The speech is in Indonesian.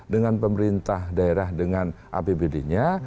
dengan pemerintah daerah dengan apbd nya